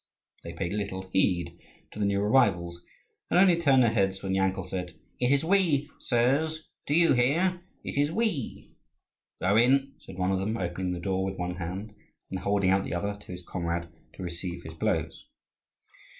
They paid little heed to the new arrivals, and only turned their heads when Yankel said, "It is we, sirs; do you hear? it is we." "Go in!" said one of them, opening the door with one hand, and holding out the other to his comrade to receive his blows.